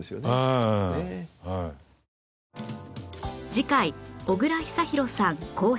次回小倉久寛さん後編